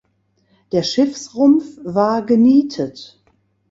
Der Schiffsrumpf war genietet.